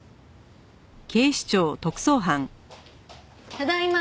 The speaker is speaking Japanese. ただいま。